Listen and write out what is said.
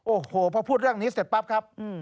โอ้โหพอพูดเรื่องนี้เสร็จปั๊บครับ